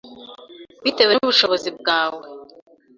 bitewe n’ubushobozi bwawe.